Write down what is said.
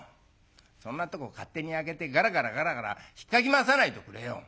そんなとこ勝手に開けてがらがらがらがらひっかき回さないでおくれよ。